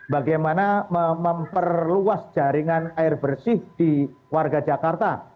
bagaimana memperluas jaringan air bersih di warga jakarta